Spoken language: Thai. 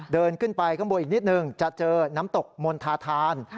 เดินขึ้นไปข้างบนอีกนิดนึงจะเจอน้ำตกมณฑาธาน